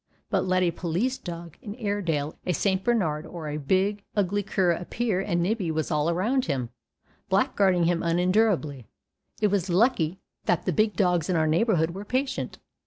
But let a police dog, an Airedale, a St. Bernard, or a big ugly cur appear and Nibbie was all around him, blackguarding him unendurably. It was lucky that the big dogs in our neighborhood were patient.